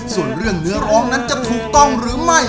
ส่วนเรื่องเนื้อร้องนั้นจะถูกต้องหรือไม่